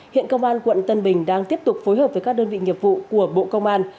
hiện công an quận tân bình đang tiếp tục phối hợp với các đơn vị nghiệp vụ của bộ công an